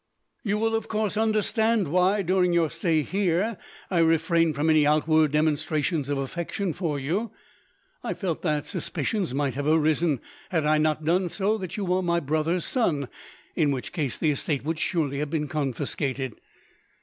You will, of course, understand why, during your stay here, I refrained from any outward demonstrations of affection for you. I felt that suspicions might have arisen, had I not done so, that you were my brother's son, in which case the estate would surely have been confiscated.